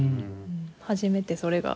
初めてそれが。